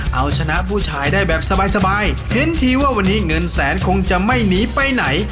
เอาชนะผู้ชายได้แบบสบายเห็นทีว่าวันนี้เงินแสนคงจะไม่หนีไปไหน